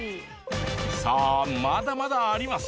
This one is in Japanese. さあまだまだあります。